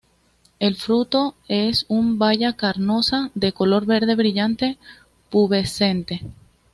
El fruto es un baya carnosa, de color, verde brillante, pubescente.